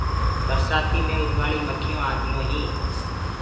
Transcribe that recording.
برسآتي مي اُڏوآݪ مکيونٚ آنيونٚ هينٚ۔